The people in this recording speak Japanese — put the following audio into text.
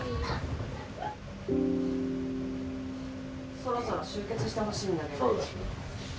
そろそろ終結してほしいんだけど。